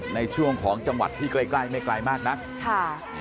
ในช่วงของจังหวัดที่ใกล้ไม่ไกลมากนะ